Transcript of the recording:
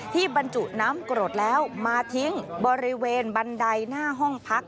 บรรจุน้ำกรดแล้วมาทิ้งบริเวณบันไดหน้าห้องพัก